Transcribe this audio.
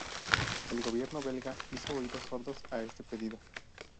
El gobierno belga hizo oídos sordos a este pedido.